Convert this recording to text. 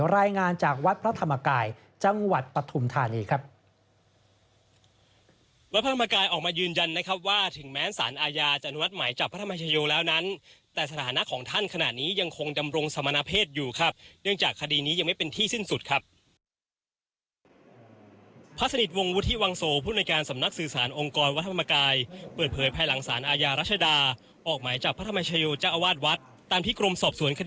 รายงานจากวัดพระธรรมกายจังหวัดปฐุมธานีครับ